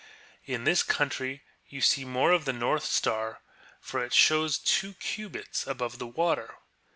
In this country you see more of the Xortii Star, for it shows two cubits above the water.